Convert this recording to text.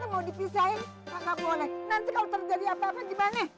apa yang kamu lakukan